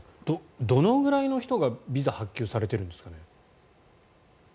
どのぐらいの人がビザを発給されているんですかね。